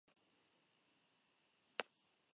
Se sabe que la esposa de Canuto fue una mujer devota.